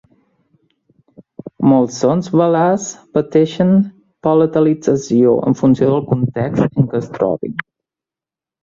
Molts sons velars pateixen palatalització en funció del context en què es trobin.